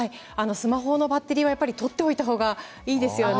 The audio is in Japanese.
スマホのバッテリーはやっぱりとっておいた方がいいですよね。